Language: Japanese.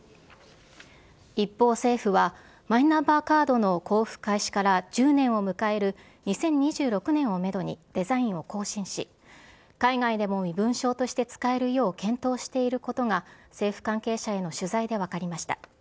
一方、政府はマイナンバーカードの交付開始から１０年を迎える２０２６年をめどにデザインを更新し海外でも身分証として使えるよう検討していることが政府関係者への取材で分かりました。